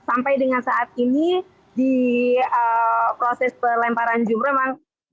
dan sampai dengan saat ini di proses perlemparan jumro memang